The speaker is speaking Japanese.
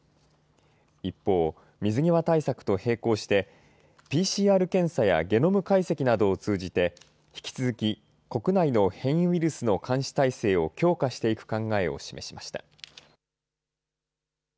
一方、水際対策と並行して、ＰＣＲ検査やゲノム解析などを通じて、引き続き、国内の変異ウイルスの監視体制を強化していく考えを示しました。